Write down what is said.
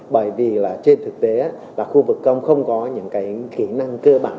bởi vì trên thực tế khu vực công không có những kỹ năng cơ bản